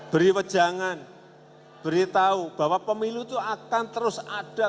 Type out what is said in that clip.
beri pejangan beritahu bahwa pemilu itu akan terus ada